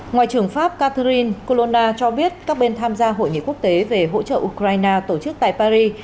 ngoại trưởng pháp catherine corona cho biết các bên tham gia hội nghị quốc tế về hỗ trợ ukraine tổ chức tại paris